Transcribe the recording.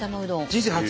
人生初？